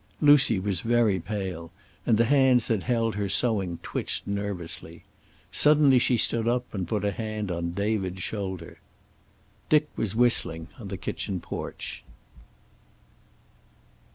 Lucy was very pale, and the hands that held her sewing twitched nervously. Suddenly she stood up and put a hand on David's shoulder. Dick was whistling on the kitchen porch.